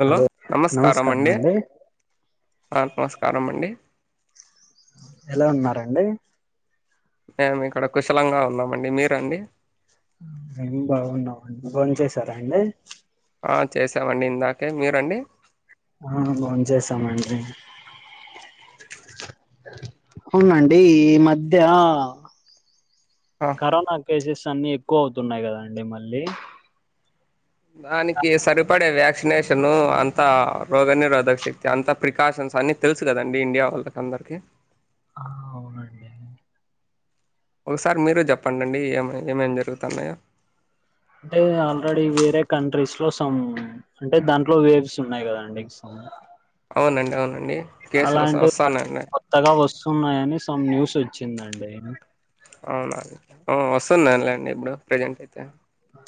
Hello నమస్కారం అంండడి నమస్కారం అండి ఎలా ఉన్నారండి మేము ఇక్కడ కుశలంగా ఉన్నామండి మీరండి ఏం బాగున్నావుండి ఫోన్ చేసారా అండి చేసామండి ఇందాకే మీరండి ఆ బా చేసామండి అవునండి ఈ మధ్య ఆ కరోనా కేసస్ అన్ని ఎక్కువ అవుతున్నాయి కదాండి మళ్ళీ దానికి సరిపడే వ్యా వ్యాక్సినేషను అంత రోగనిరోధక శక్తి అంత ప్రికాషన్స్ అన్నీ తెలుసు కదంీ ఇండియా వాళ్ళకి అందరికీ ఆ అవునండి ఒకసారి మీరు చెప్పండిండి ఏమ ఏమేమి జరుగుతున్నాయో అంటే ఆల్రెడీ వేరే కంట్రీస్ లో సమ్ అంటే దాంట్లో వేవ్స్ ఉన్నాయి కదండి అవునండి అవునండి కేసు వస్ అలాంటివి వస్తానండి కొత్తగా వస్తున్నాయని త్తం న్యూస్ వచ్చిందండి అవునా వస్తున్నానులేండి ఇప్పుడు ప్రజెంట్ అయితే ఆ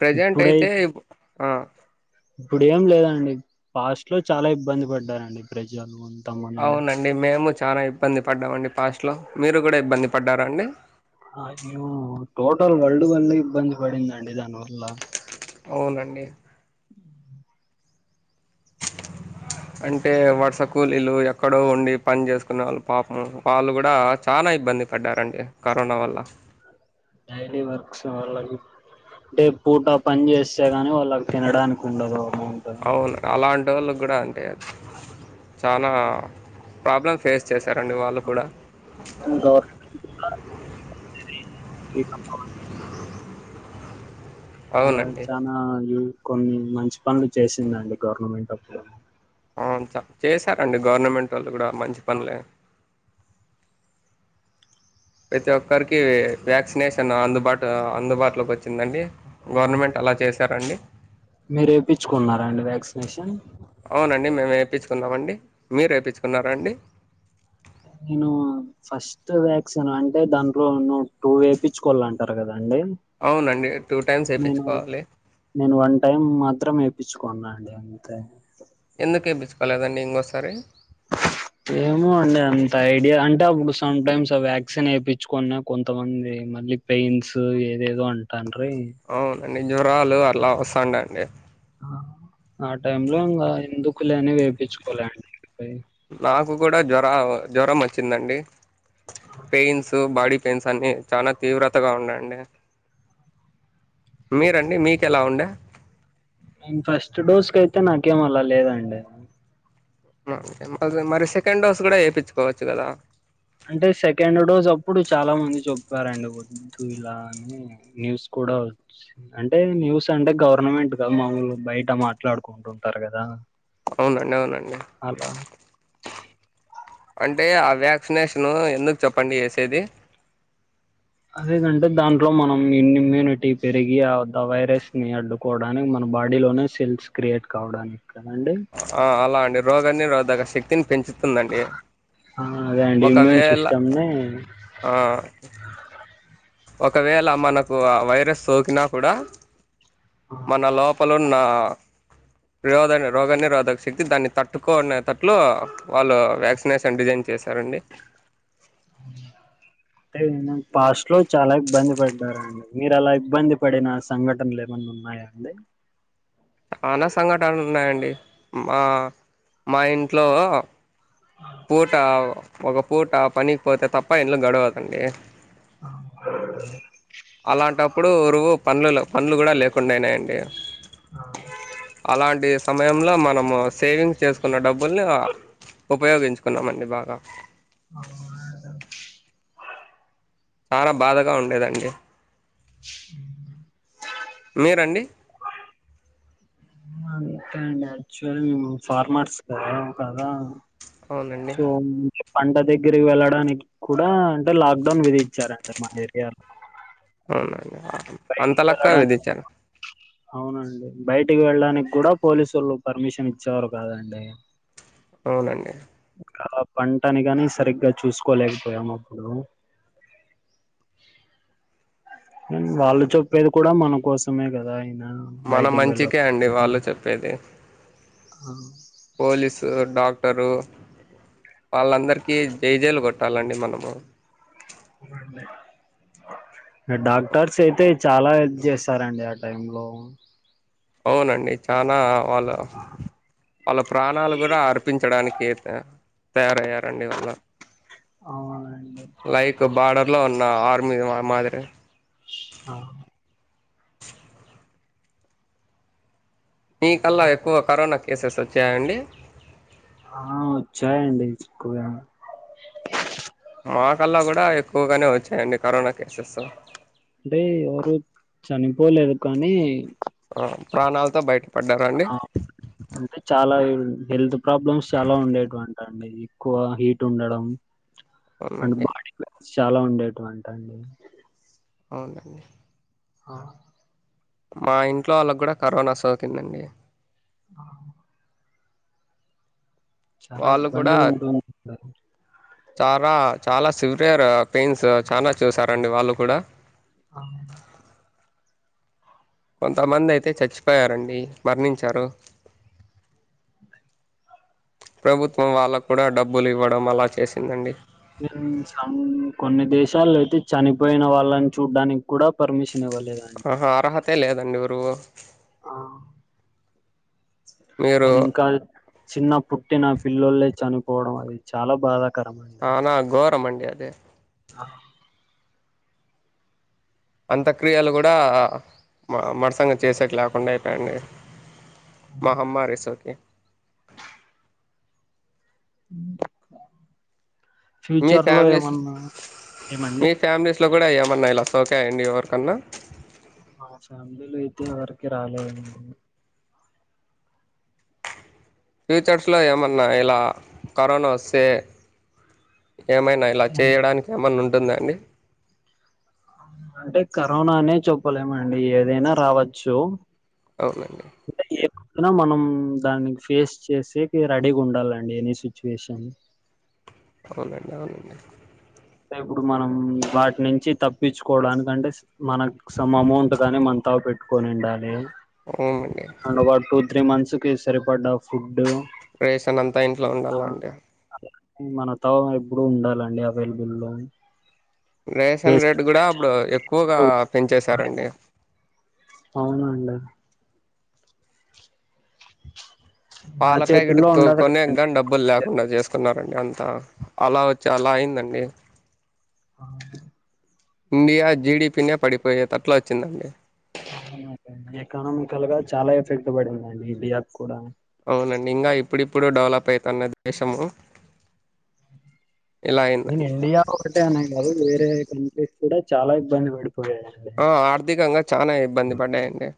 ప్రెజెంట్ అయితే ఆ ఇప్పుడు ఏం లేదండి పాస్ట్ లో చాలా ఇబ్బంది పడ్డారండి ప్రజలు మనం అవునండి మేము చాలా ఇబ్బంది పడ్డామండి పాస్ట్లో మీరు కూడా ఇబ్బంది పడ్డారంండి అయ్యో టోటల్ వల్డ్ వల్ల ఇబ్బంది పడిందండి దానివల్ల అవునండి అంటే వర్స కూలీలు ఎక్కడో ఉండి పని చేసుకున్న వాళ్ళు పాపం వాళ్ళు కూడా చానా ఇబ్బంది పడ్డారండి కరోనా వల్ల డైలీ వర్క్స్ వాళ్ళకి అంటే పూట పని చేస్తే గాని వాళ్ళకి తినడానికి ఉండదు అమౌంట్ అవును అలాంటి ఆటో వాళ్ళకి కూడా అంటే చాలా ప్రాబ్లమ్ ఫేస్ చేస్త స రండి వాళ్ళు కూడా ఇ [unintelligible] అలా అవునండి చనా కొన్ని మంచి పనులు చేసిందండి గవర్నమెంట్ అప్పుడు అవును చేశారంండి గవర్నమెంట్ వాళ్ళు కూడా మంచి పనలే ప్రతి ఒక్కరికి వ్యాక్సినేషన్ అందుబాటు అందుబాటులోకి వచ్చిందండి గవర్నమెంట్ అలా చేశారంండి మీరు ఏపిచ్చుకున్నారా అండి వ్యాక్సినేషన్ అవునండి మేము ఏపిచ్ఛుకున్నామండి ఏపిచ్చుకున్నారా అండి నేను ఫస్ట్ వ్యాక్సిన్ అంటే దానిట్లో ను టూ ఏపిచ్చుకోవలనంటారు కదా అండీ అవునండి టూ టైమ్స్ వేయించుకోవాలి నేను వన్ టైం మాత్రం ఏపి తెప్పించుకున్నాండి అంతే ఎందుకేప్పిచ్ఛుకోలేదండి ఇంకోసారి ఏమో అండి అంత ఐడియా అంటే అప్పుడు సంటైమ్స్ ఆ వ్యాక్సిన్ వేపిఛ్చుకున్నా కొంతమంది మళ్ళీ పెయిన్స్ ఏదేదో అంటాను ంట [unintelligible] అన్ని జ్వరాలు అలా వస్తాండా అండి ఆ టైం లో ఇంకా ఎందుకులే అని వేపిఛ్చుకోలేండి నాకు మాకు కూడా జ్వర జ్వరం వచ్చిందండి పెయిన్స్ బాడీ పెయిన్స్ అన్ని చాలా తీవ్రతగా ఉన్నాయండి మీరండి మీకు ఎలా ఉండే నేను ఫస్ట్ డోస్ కయితే నాకేమ అలా లేదండి మ మరి... మరి.. సెకండ్ డోస్ కూడా ఏపిచ్చుకోవచ్చు కదా అంటే సెకండ్ డోస్ అప్పుడు చాలా మంది చెప్పారండి వద్దు ఇలా అని న్యూస్ కూడా వచ్చి అంటే న్యూస్ అంటే గవర్నమెంట్ గా మాములు బయట మాట్లాడుకుంటుంటారు కదా అవునండి అవునండి అలా అంటే ఆ వ్యాక్సినేషను ఎందుకు చెప్పండి ఏసేది అదేందంటే దాంట్లో మనం ఇమ్యూనిటీ పెరిగి ఆ వైరస్ ని అడ్డుకోవడానికి మన బాడీలోనే సెల్స్ క్రియేట్ కావడానికి కదండి ఆ అలా అండి రోగాన్ని రోధక శక్తిని పెంచుతుందండి ఆ అదే అండి ఇమ్యూన్ ఒకవేళ సిస్టమ్ని ఆ ఒకవేళ మనకు ఆ వైరస్ సోకినా కూడా మన లోపల ఉన్న ఆ రొద రోగనిరోధక శక్తి దాన్ని తట్టుకునేటట్లు వాళ్ళు వ్యాక్సినేషన్ డిజైన్ చేశారండి. తె నే పాస్ట్ లో చాలా ఇబ్బంది పడ్డారండి మీరు అలా ఇబ్బంది పడిన సంఘటనలు ఏమన్న ఉన్నాయా అండి చాన సంఘటనలు ఉన్నాయండి మా మా ఇంట్లో పూట ఒక పూట పనికినికి పోతే తప్ప ఇల్లు గడవదండి అలాంటప్పుడు ఉరువు పన్లు లెవ్ పన్లు కూడ లేకుండ అయినాయండి అలాంటి సమయంలో మనము సేవింగ్స్ చేసుకున్న డబ్బుల్ని ఉపయోగించ్ చుకున్నామండి బాగా [unintelligible] చాల బాధగ ఉండేదండి. మీరండి కండి యాక్చువల్ మేము ఫార్మర్స్ కదా కదా అవునండి సోమ్ పంట దగ్గరికి వెళ్ళడానికి కూడా అంటే లాక్ డౌన్ విధిచ్చారండి మా ఏరియాలో అవునా బయిటికి వెళ్ళడానికి బయటికి వెళ్ళడానికి కూడ పోలీసోళ్ళు పర్మిషన్ ఇచ్చేవారు కాదండి. అవునండి అ పంటని కాని సరిగ్గా చూసుకోలేకపోయాము అప్పుడు వాళ్ళు చెప్పేది కూడ మన కోసమే కద అయినా మన మంచికే అండి వాళ్ళు చెప్పేది. అవు పోలీసు డాక్టరు వాళ్ళందరికీ జెజైలు కొట్టాలండి మనము డాక్టర్స్ అయితే చాలా హెల్ప్ చేస్తారండి ఆ టైం లో అవునండి చానా వాళ్ళ వాళ్ళ ప్రాణాలు కూడా అర్పించడానికి యితే తయారయ్యారండి వళ్ళ అవునండి లైక్ బార్డర్ లో ఉన్న ఆరు ది ఆ మాదిరి ఆ మీ కళ్ళ ఆ! ఎక్కువ కరోనా ఎస్ ఎస్ వచ్చాయి అండి ఆ వచ్చాయండి ఎక్కువ మా కల్లా కూడా ఎక్కువగానే వచ్చాయండి కరోనా కేసెస్ అంటే ఎవరు చనిపోలేదు కానీ ఆ, ప్రాణాలతో బయట్ ఆ అంటే చాలా ఇం హెల్త్ ప్రాబ్లమ్స్ చాలా ఉండేటువండి. అండి ఎక్కువ హీట్ ఉండడం అండ్ అవునండి బాడి చాలా ఉండేటువంట అండి అవునండి హమ్ మా ఇంట్లో వాళ్ళకు కూడా కరోనా సోకిందండి చాలా వాళ్ళు కూడా ఇబ్బంది ఉంటుంది చాలా చాలా సివియర్ పెయిన్స్ చాలా చూసారండి వాళ్ళు కూడా అవును కొంతమంది అయితే చచ్చిపోయారండి మరణించారు ప్రభుత్వం వాళ్ళ కూడా డబ్బులు ఇవ్వడం అలా చేసిందండి కొన్ని దేశాలు అయితే చనిపోయిన వాళ్ళని చూడ్డానికి కూడా పర్మిషన్ ఇవ్వలేదండి ఆహా అర్హతే లేదండిరు రువ ఆ మీరు కానీ ఇంకా చిన్న పుట్టి నా పిల్లలే చనిపోవడం అది చాలా బాధ అనా గోరమండి అ అదే ఆ అంతక్రియలు కూడా మ మరుసంగ చేసేక లేకుండా అయిపోయిడి మహమ్మారి సోకి మీ ఫ్యూచర్ లో ఫ్యామిలీస్ ఏమన్నా ఏమండి లో కూడా ఏమన్నా ఇలా సోకాయ అండి ఎవరికన్నా మా ఫ్యామిలీలో అయితే ఎవరికి రాలేదండి ఫ్యూచర్స్లో ఏమన్నా ఇలా కరోనా వస్తే ఏమైనా ఇలా చేయడానికి ఏమైన్నా ఉంటా అంటందడి అంటే కరోనానే చెప్పలేముండి ఏదైనా రావచ్చు అవునండి అనా మనం దాన్ని ఫేస్ చేసే రెడీగా ఉండాలండి ఎనీ సిచ్యువేషన్ అవునండి అవునండి ఇప్పుడు మనం వాటి నుంచి తప్పించుకోవడానికంటే మనకు సోమ్ అమౌంట్ కాని మన త పెట్ కొని ఉండాలి అవునండి అ టూ త్రీ మంత్స్ కి సరిపడ్డ ఫుడ్ రేషన్ అంతా ఇంట్లో ఉండాల ఆ అండి మన తవ ఎప్పుడు ఉండాలండి అవి లబుల్ లో ఏ రేషన్ రేట్ కూడా సిచువేషన్ అప్పుడు ఎక్కువగా పెంచేశారండి అవునండి మన పాల ప్యాకెట్ చేతుల్లో ఉండదు కొనే కదండి కానీ డబ్బులు లేకుండా చేసుకున్నా అంత అలా వచ్చి అలా అయిందండి అ అ ఇండియా జిడిపినే పడిపోయేది అట్లా వచ్చిందండి ఎకానామికల్ గా చాలా ఎఫెక్ట్ పడిందండి ఈ ఇండియా కూడా అవునండి ఇంకా ఇప్పుడిప్పుడు డెవలప్ అవుతున్న దేశము ఇలా నన్ అయిందండి ఇండియా ఒకటే అనగ అదు వేరే కంట్రీస్ కూడా చాలా ఇబ్బంది పడు ఆ ఆర్థికంగా చాలా ఇబ్బంది పడ్డాయండి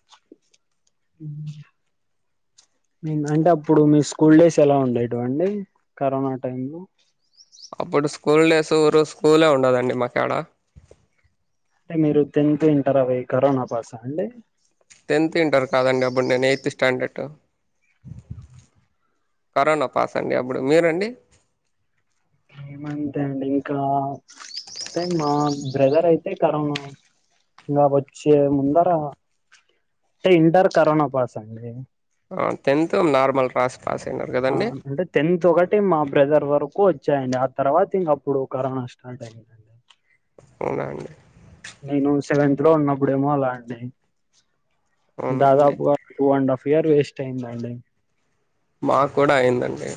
అ అంటే అప్పుడు మీ స్కూల్ డేస్ ఎలా ఉండేటువండి కరోనా టై లో అప్పుడు స్కూల్ డేస్ ఊ రజ స్కూలే ఉండదండి మాకు ఎడా అంటే మీరు టెన్త్ ఇంటర్ అవ కరోనా పాస అండి టెన్త్ ఇంటర్ కాదండి అబ్బడు నేను ఎయిత్ స్టాండర్డ్ కరోనా పాస్ అండి అప్పుడు మీరండి ఏమంతే అండి ఇక అే మా బ్రదర్ అయితే కరోనా ఇంకా వచ్చే ముందర అంటే ఇంటర్ కరోనా పాస్ అండి టెన్త్ నార్మల్ రాస్ ఆ అంటే టెన్త్ ఒకటి మా బ్రదర్ వరకు ఎక్కువ వచ్చాయండి ఆ తర్వాత ఇంక అప్పుడు కరోనా స్టార్ట్ అయిందండి అవునా అండి నేను సెవెంతత్్ లో ఉన్నప్పుడేమో అలా అండి అవునా అండి దాదాపు two and half Phir waste అయింద మాకు కూడా అయిందండి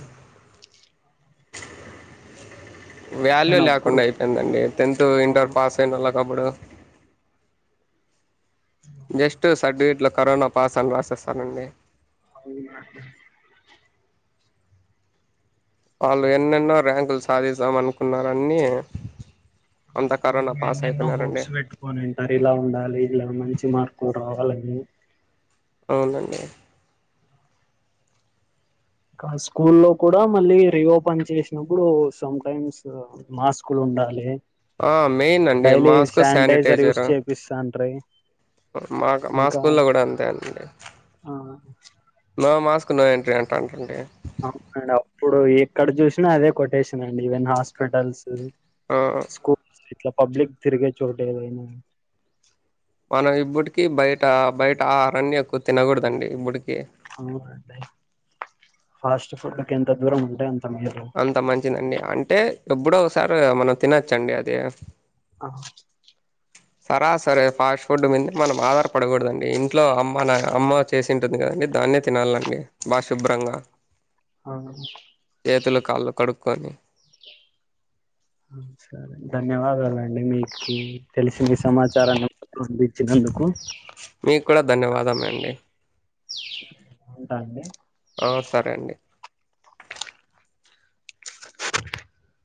వాల్యూ నేను అప్పుడు లేకుండా అయిపోయిందండి టెన్త్ ఇంటర్ పాస్ అయిన కబడు జస్ట్ సర్టిఫికెట్ లో కరోనా పాస్ అని రాసేస్తానండి అవునా వాళ్ళు ఎన్నెన్నో ర్యాంకులు సాధిస్తాం అనుకున్న అన్నీ మేన్నెన్నో హోప్స్ పెట్టుకోనింటారు ఇలా ఉండాలి ఇలా మంచి మార్కులు రావాలండి అ అవునండి కానీ స్కూల్లో కూడా మళ్ళీ రీఓపెన్ చేసినప్పుడు సామ్టైమ్సు మాస్కు లు ఉండాలి ఆ మెయిన్ అండి daily mask sanitiser use sanitiser చేపిస్తాంట్రి ఇంకా మాస్కుల్లో కూడా అంతేండి ఆ మాస్క్ నో ఎంట్రీ అంటారండి అవునండి అప్పుడు ఎక్కడ చూసినా అదే కొటేషన్ అండి ఈవెన్ హాస్పిటల్స్ స్కూల్ ఎల్లే పబ్లిక్ తిరిగే చోట ఏదైనా మనం ఇప్పుటికి బయట బయట ఆహారాన్ని ఎక్కువ తినకూడదండి ఇప్పుడుకి అవునండి ఫాస్ట్ ఫుడ్ కెంత దూరం ఉంటె అంత మేలు అంత మంచిదండి అంటే ఎబ్బుడో ఒగసారి మనం తినొచ్చండి అది ఆ సరాసరి ఫుడ్డు మీందే మనం ఆధార పడకూడదండి ఇ ఇంట్లో అమ్మ నా అమ్మ చేసింటుంది కదండి దాన్నే తినాలండి బాగా శుభ్రంగా ఆ చేతులు కాళ్ళు కడుక్కొని సరెధన్యవాదాలు అంటే మీకు తెలిసింది సమాచారాన్ని పంపించినందుకు మీకు కూడా ధన్యవాదం అండి ఉంటానండి ఆ సరే అండి [inaudible]